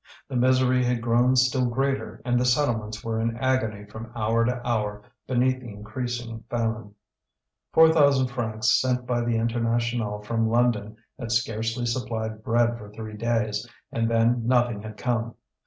The misery had grown still greater, and the settlements were in agony from hour to hour beneath the increasing famine. Four thousand francs sent by the International from London had scarcely supplied bread for three days, and then nothing had come.